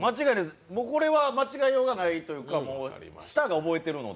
これは間違いようがないというか舌が覚えているので。